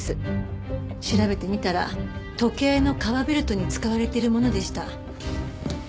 調べてみたら時計の革ベルトに使われているものでした。